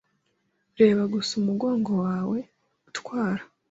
Reba gusa umugongo wawe utwara